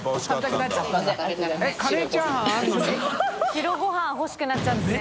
白ごはん欲しくなっちゃうんですね。